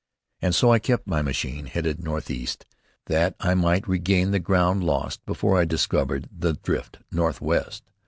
And so I kept my machine headed northeast, that I might regain the ground lost before I discovered the drift northwest.